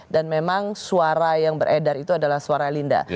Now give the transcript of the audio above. dan memang suara yang beredar itu adalah suara linda